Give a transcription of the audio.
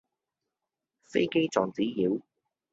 飛機撞紙鳶